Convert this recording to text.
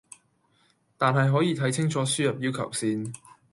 但係可以睇清楚輸入要求先